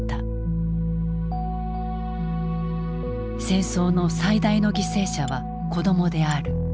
戦争の最大の犠牲者は子どもである。